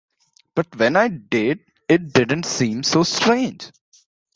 But when I did, it didn't seem so strange.